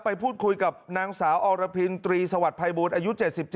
ไปพูดคุยกับนางสาวอรพินตรีสวัสดิภัยบูรณ์อายุ๗๗